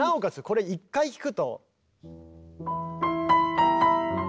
これ１回聴くと。